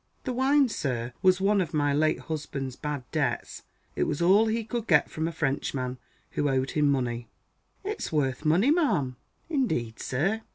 "The wine, sir, was one of my late husband's bad debts. It was all he could get from a Frenchman who owed him money." "It's worth money, ma'am." "Indeed, sir?"